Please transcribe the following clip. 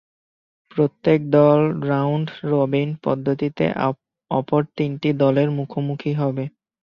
প্রত্যেক দল রাউন্ড-রবিন পদ্ধতিতে অপর তিনটি দলের মুখোমুখি হবে।